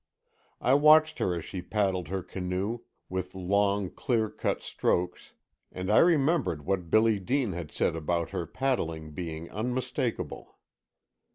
I watched her as she paddled her canoe, with long, clear cut strokes, and I remembered what Billy Dean had said about her paddling being unmistakable.